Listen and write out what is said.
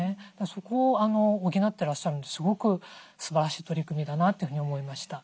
そこを補ってらっしゃるのですごくすばらしい取り組みだなというふうに思いました。